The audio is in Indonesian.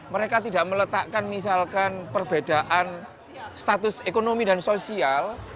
mereka tidak meletakkan misalkan perbedaan status ekonomi dan sosial